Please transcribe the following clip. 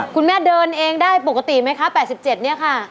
คุณแม่เดินเองได้ปกติไหมคะ๘๗เนี่ยค่ะ